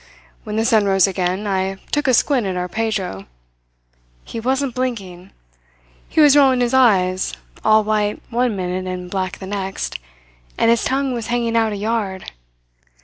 When the sun rose again, I took a squint at our Pedro. He wasn't blinking. He was rolling his eyes, all white one minute and black the next, and his tongue was hanging out a yard.